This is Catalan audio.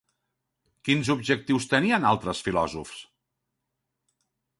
Quins objectius tenien altres filòsofs?